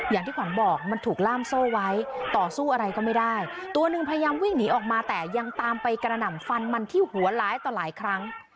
อย่างที่ขวัญบอกมันถูกล่ามโซ่ไว้ต่อสู้อะไรก็ไม่ได้ตัวหนึ่งพยายามวิ่งหนีออกมาแต่ยังตามไปกระหน่ำฟันมันที่หัวร้ายต่อหลายครั้ง